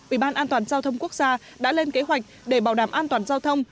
ủy ban an toàn giao thông quốc gia đã lên kế hoạch để bảo đảm an toàn giao thông